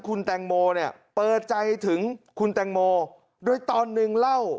คุณแตงโมเนี่ยเปิดใจถึงคุณแตงโมโดยตอนหนึ่งเล่า